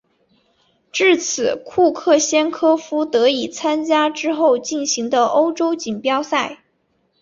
至此库克先科夫得以参加之后进行的欧洲锦标赛。